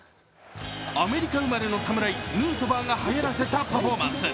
アメリカ生まれの侍、ヌートバーがはやらせたパフォーマンス。